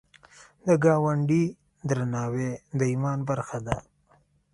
د ګاونډي درناوی د ایمان برخه ده